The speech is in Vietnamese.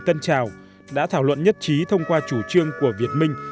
tân trào đã thảo luận nhất trí thông qua chủ trương của việt minh